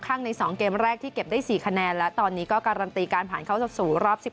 ข้างใน๒เกมแรกที่เก็บได้๔คะแนนและตอนนี้ก็การันตีการผ่านเข้าสู่รอบ๑๖